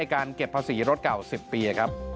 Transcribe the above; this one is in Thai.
การเก็บภาษีรถเก่า๑๐ปีครับ